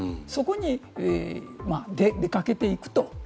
そこに出かけていくと。